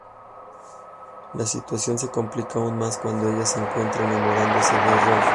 La situación se complica aún más cuando ella se encuentra enamorándose de Rolfe.